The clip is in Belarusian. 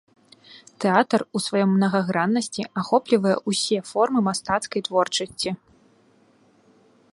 Тэатр у сваёй мнагаграннасці ахоплівае ўсе формы мастацкай творчасці.